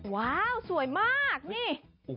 ว้าวสวยมากนี่